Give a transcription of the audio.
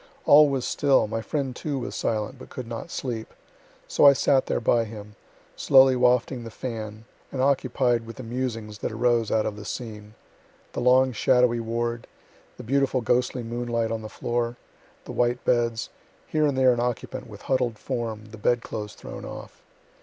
All was still, my friend too was silent, but could not sleep; so I sat there by him, slowly wafting the fan, and occupied with the musings that arose out of the scene, the long shadowy ward, the beautiful ghostly moonlight on the floor, the white beds, here and there an occupant with huddled form, the bed clothes thrown off.